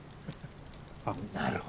なるほど。